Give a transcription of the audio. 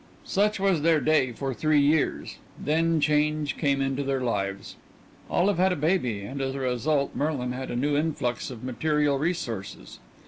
Such was their day for three years. Then change came into their lives: Olive had a baby, and as a result Merlin had a new influx of material resources.